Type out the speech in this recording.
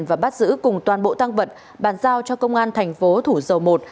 và bắt giữ cùng toàn bộ tăng vật bàn giao cho công an thành phố thủ dầu một